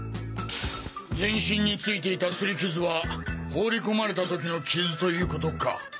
全身についていたスリ傷は放り込まれた時の傷ということか。